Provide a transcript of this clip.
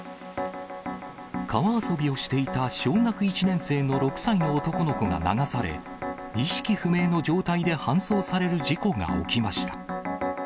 川遊びをしていた小学１年生の６歳の男の子が流され、意識不明の状態で搬送される事故が起きました。